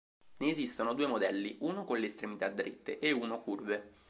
Ne esistono due modelli, uno con le estremità dritte e uno curve.